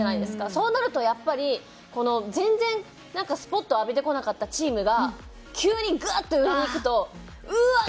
そうなるとやっぱりこの全然スポットを浴びてこなかったチームが急にガーッて上にいくとうわあ